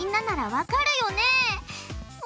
わかるよね？